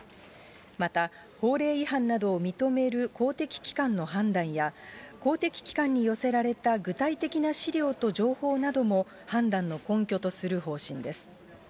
また、法令違反などを認める公的機関の判断や、公的機関に寄せられた具体的な資料と情報なども、判断の根拠とする方針です。